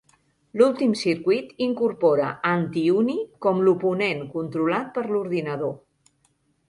L'últim circuit incorpora Anti-Uni com l'oponent controlat per l'ordinador.